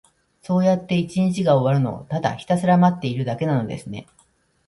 そうやって一日が終わるのを、ただひたすら待っているだけなのですね。